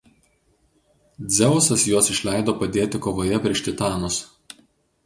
Dzeusas juos išleido padėti kovoje prieš titanus.